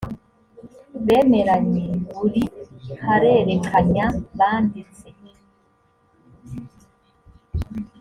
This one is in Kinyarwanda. bemeranye buri harerekanya banditse